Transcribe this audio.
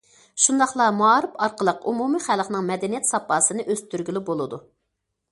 شۇنداقلا مائارىپ ئارقىلىق ئومۇمىي خەلقنىڭ مەدەنىيەت ساپاسىنى ئۆستۈرگىلى بولىدۇ.